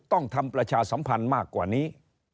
ต้องทำประชาสัมพันธ์มากกว่านี้